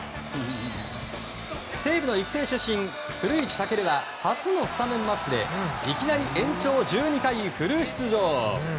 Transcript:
西武の育成出身、古市尊は初のスタメンマスクでいきなり延長１２回フル出場！